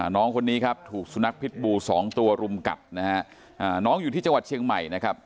น้องคนนี้ครับถูกสุนัขพิษบูสองตัวรุมกัดนะฮะน้องอยู่ที่จังหวัดเชียงใหม่นะครับ